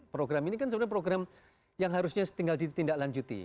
program ini kan sebenarnya program yang harusnya tinggal ditindaklanjuti